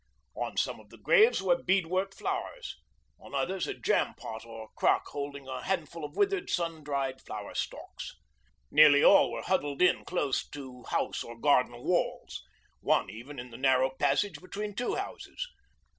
On some of the graves were bead work flowers, on others a jam pot or crock holding a handful of withered sun dried flower stalks. Nearly all were huddled in close to house or garden walls, one even in the narrow passage between two houses.